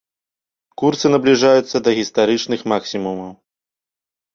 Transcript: Курсы набліжаюцца да гістарычных максімумаў.